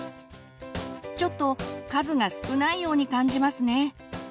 ちょっと数が少ないように感じますね。